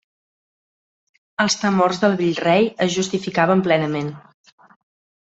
Els temors del vell rei es justificaven plenament.